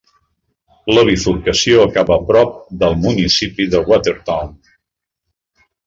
La bifurcació acaba a prop del municipi de Watertown.